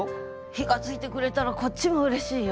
火がついてくれたらこっちもうれしいよ。